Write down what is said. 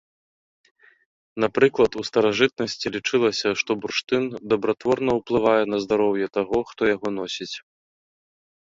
Напрыклад, у старажытнасці лічылася, што бурштын дабратворна ўплывае на здароўе таго, хто яго носіць.